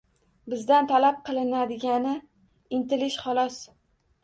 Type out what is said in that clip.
Bizdan talab qilinadigani – intilish, xolos